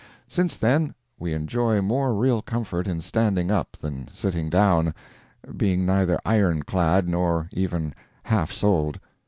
Since then we enjoy more real comfort in standing up than sitting down, being neither iron clad nor even half soled.